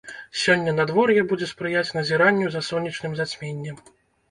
Сёння надвор'е будзе спрыяць назіранню за сонечным зацьменнем.